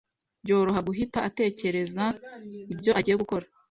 byoroha guhita atekereza ibyo agiye gukora